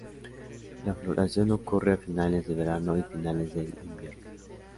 La floración ocurre a finales de verano y finales del invierno.